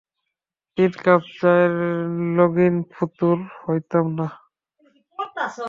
তিন কাপ চায়ের লগিন ফতুর হইতাম না।